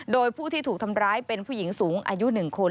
โดยผู้ที่ถูกทำร้ายเป็นผู้หญิงสูงอายุ๑คน